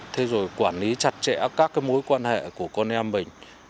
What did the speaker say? thế rồi quản lý chặt chẽ các mối quan hệ của con em mình